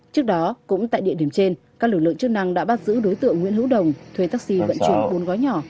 trước đó cũng tại địa điểm trên các lực lượng chức năng đã bắt giữ đối tượng nguyễn hữu đồng thuê taxi vận chuyển bốn gói nhỏ